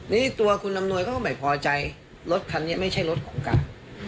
นี่ตัวคุณอำนวยเขาก็ไม่พอใจรถคันนี้ไม่ใช่รถของเก่า